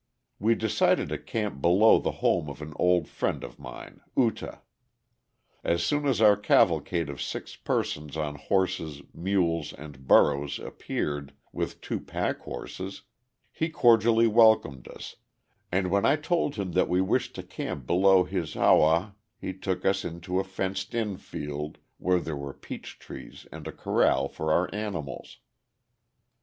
We decided to camp below the home of an old friend of mine, Uta. As soon as our cavalcade of six persons on horses, mules, and burros appeared, with two pack horses, he cordially welcomed us, and when I told him that we wished to camp below his hawa he took us into a fenced in field, where there were peach trees and a corral for our animals.